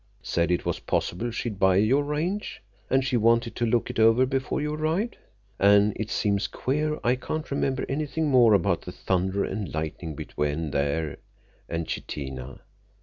Said it was possible she'd buy your range, and she wanted to look it over before you arrived. An' it seems queer I can't remember anything more about the thunder and lightning between there and Chitina.